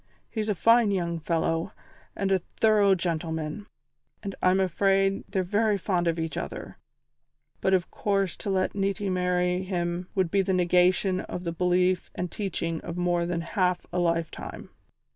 He's a fine young fellow and a thorough gentleman, and I'm afraid they're very fond of each other, but of course to let Niti marry him would be the negation of the belief and teaching of more than half a lifetime.